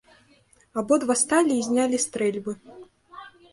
Абодва сталі і знялі стрэльбы.